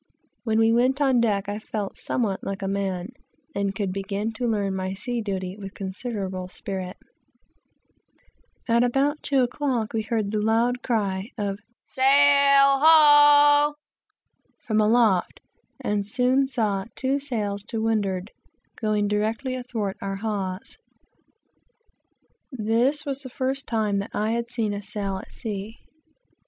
When we went on deck I felt somewhat like a man, and could begin to learn my sea duty with considerable spirit. At about two o'clock we heard the loud cry of "sail ho!" from aloft, and soon saw two sails to windward, going directly athwart our hawse. This was the first time that I had seen a sail at sea.